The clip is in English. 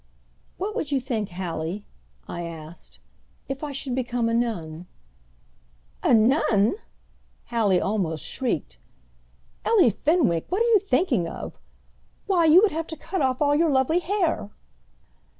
"What would you think, Hallie," I asked, "if I should become a nun?" "A nun!" Hallie almost shrieked. "Ellie Fenwick, what are you thinking of? Why, you would have to cut off all your lovely hair!"